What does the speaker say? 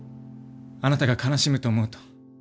あなたが悲しむと思うと。